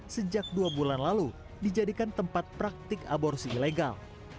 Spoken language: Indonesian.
sejak dua bulan lalu dijadikan tempat praktik aborsi ilegal